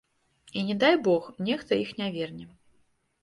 І, не дай бог, нехта іх не верне.